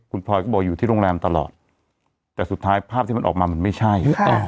คุณพลอยก็บอกอยู่ที่โรงแรมตลอดแต่สุดท้ายภาพที่มันออกมามันไม่ใช่